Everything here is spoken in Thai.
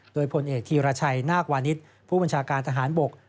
โดยผลเอกธีรชัยนาควานิสผู้บัญชาการทหารบก